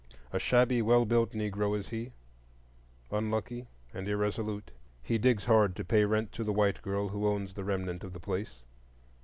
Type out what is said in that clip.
A shabby, well built Negro he is, unlucky and irresolute. He digs hard to pay rent to the white girl who owns the remnant of the place.